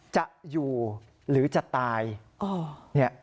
จะอยู่หรือจะตาย